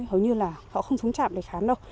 hầu như là họ không xuống trạm để khám